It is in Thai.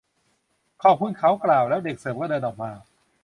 ขอบคุณ เขากล่าว แล้วเด็กเสิร์ฟก็เดินออกมา